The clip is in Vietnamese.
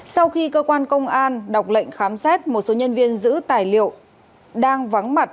sau khi cơ quan công an đọc lệnh khám xét một số nhân viên giữ tài liệu đang vắng mặt